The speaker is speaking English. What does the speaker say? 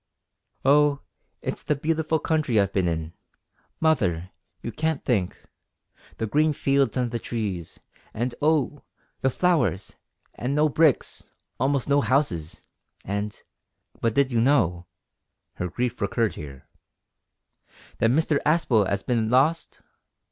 "Oh! it's the beautiful country I've been in. Mother, you can't think the green fields and the trees, and, oh! the flowers, and no bricks almost no houses and But did you know" her grief recurred here "that Mr Aspel 'as bin lost?